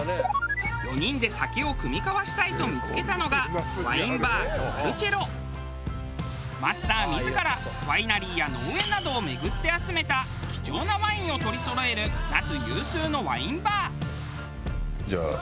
４人で酒を酌み交わしたいと見付けたのがマスター自らワイナリーや農園などを巡って集めた貴重なワインを取りそろえる那須有数のワインバー。